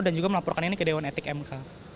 dan juga melaporkan ini ke dewan etik mk